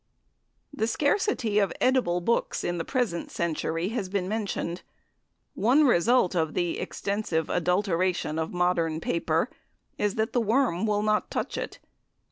The scarcity of edible books of the present century has been mentioned. One result of the extensive adulteration of modern paper is that the worm will not touch it.